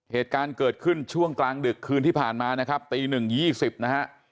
เหตุการณ์เกิดขึ้นช่วงกลางดึกคืนที่ผ่านมานะครับตีหนึ่ง๒๐นะฮะ